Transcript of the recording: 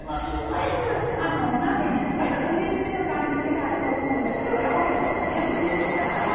まずお鍋にトマトの水煮の缶詰があると思うのでそれをがばりと全部入れてください。